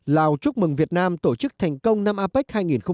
lào chúc mừng việt nam tổ chức thành công năm apec hai nghìn một mươi bảy